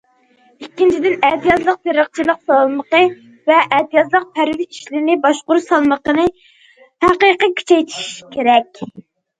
ئىككىنچىدىن، ئەتىيازلىق تېرىقچىلىق سالمىقى ۋە ئەتىيازلىق پەرۋىش ئىشلىرىنى باشقۇرۇش سالمىقىنى ھەقىقىي كۈچەيتىش كېرەك.